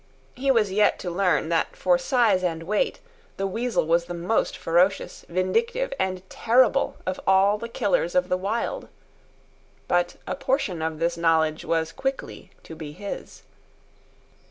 He was yet to learn that for size and weight the weasel was the most ferocious, vindictive, and terrible of all the killers of the Wild. But a portion of this knowledge was quickly to be his.